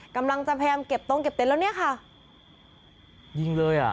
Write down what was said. กำลังจะพยายามเก็บตรงเก็บเต็นแล้วเนี่ยค่ะยิงเลยอ่ะ